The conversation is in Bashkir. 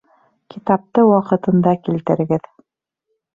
Китапты ваҡытында килтерегеҙ.